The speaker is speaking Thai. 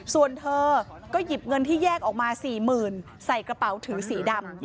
ส่วนเธอก็หยิบเงินที่แยกออกมา๔๐๐๐ใส่กระเป๋าถือสีดำ